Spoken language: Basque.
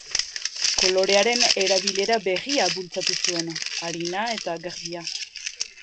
Kolorearen erabilera berria bultzatu zuen, arina eta garbia.